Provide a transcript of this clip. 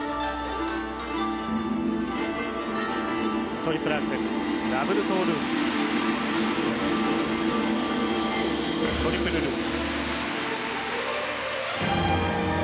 トリプルアクセルダブルトゥループトリプルループ。